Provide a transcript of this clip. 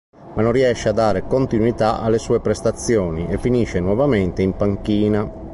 Ma non riesce a dare continuità alle sue prestazioni e finisce nuovamente in panchina.